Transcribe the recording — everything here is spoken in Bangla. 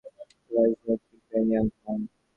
তিনি কোম্পানির কমিটির রাজনৈতিক বেনিয়ান হন।